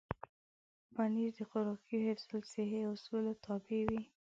پنېر د خوراکي حفظ الصحې اصولو تابع وي.